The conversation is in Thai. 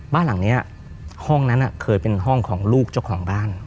บ้านหลังนี้ห้องนั้นเคยเป็นห้องของลูกเจ้าของบ้าน